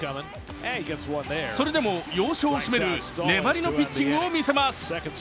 それでも要所を締める粘りのピッチングをみせます。